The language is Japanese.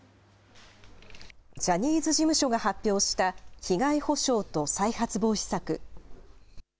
ジャニーズ事務所が発表した被害補償と再発防止策。